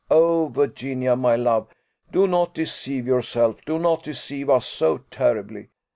Oh, Virginia, my love, do not deceive yourself; do not deceive us so terribly.